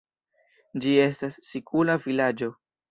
Ĝi estis sikula vilaĝo.